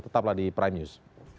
tetaplah di prime news